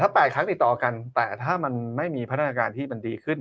๘ครั้งติดต่อกันแต่ถ้ามันไม่มีพัฒนาการที่มันดีขึ้น